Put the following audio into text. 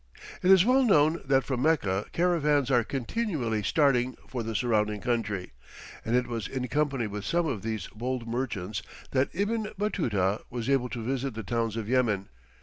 It is well known that from Mecca, caravans are continually starting for the surrounding country, and it was in company with some of these bold merchants that Ibn Batuta was able to visit the towns of Yemen.